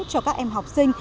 cho các em học sinh